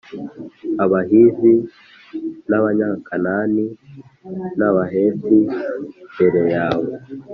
abahivi n abanyakanani n abaheti imbere yawe